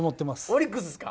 オリックスですか。